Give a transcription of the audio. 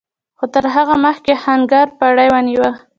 خو تر هغه مخکې آهنګر پړی ونيو.